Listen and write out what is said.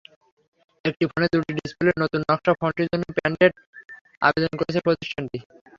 একটি ফোনে দুটি ডিসপ্লের নতুন নকশার ফোনটির জন্য প্যাটেন্ট আবেদন করেছে প্রতিষ্ঠানটি।